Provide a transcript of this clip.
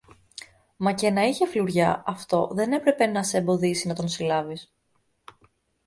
Μα και αν είχε φλουριά, αυτό δεν έπρεπε να σ' εμποδίσει να τον συλλάβεις.